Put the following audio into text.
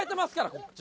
こっち